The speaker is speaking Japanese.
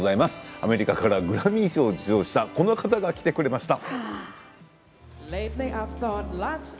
アメリカからグラミー賞を受賞したこの方が来てくれました。